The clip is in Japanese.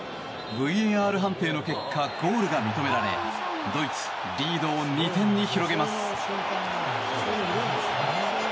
ＶＡＲ判定の結果ゴールが認められドイツ、リードを２点に広げます。